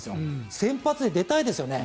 先発で出たいですよね。